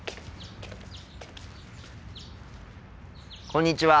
こんにちは。